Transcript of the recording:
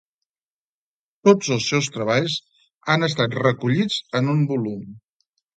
Tots els seus treballs han estat recollits en un volum.